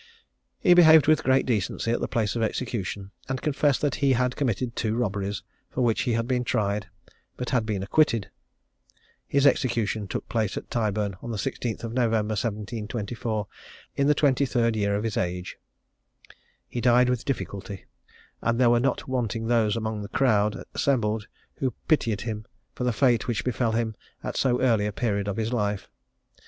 He behaved with great decency at the place of execution, and confessed that he had committed two robberies, for which he had been tried, but had been acquitted. His execution took place at Tyburn, on the 16th of November, 1724, in the twenty third year of his age. He died with difficulty; and there were not wanting those among the crowd assembled, who pitied him for the fate which befel him at so early a period of his life.